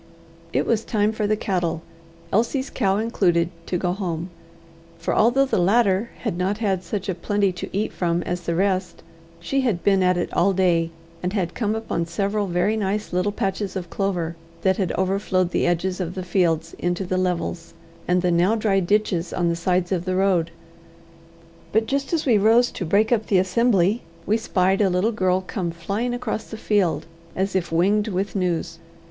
It was time for the cattle, Elsie's cow included, to go home; for, although the latter had not had such plenty to eat from as the rest, she had been at it all day, and had come upon several very nice little patches of clover, that had overflowed the edges of the fields into the levels and the now dry ditches on the sides of the road. But just as we rose to break up the assembly, we spied a little girl come flying across the field, as if winged with news.